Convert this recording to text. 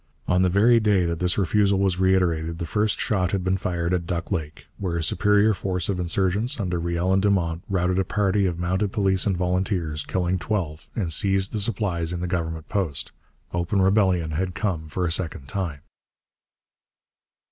On the very day that this refusal was reiterated the first shot had been fired at Duck Lake, where a superior force of insurgents under Riel and Dumont routed a party of Mounted Police and volunteers, killing twelve, and seized the supplies in the government post. Open rebellion had come for a second time.